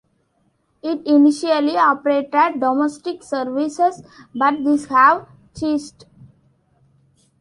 It initially operated domestic services, but these have ceased.